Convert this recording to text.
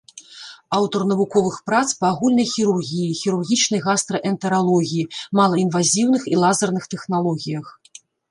Аўтар навуковых прац па агульнай хірургіі, хірургічнай гастраэнтэралогіі, малаінвазіўных і лазерных тэхналогіях.